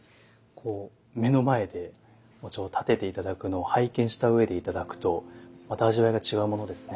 こう目の前でお茶を点てて頂くのを拝見した上でいただくとまた味わいが違うものですね。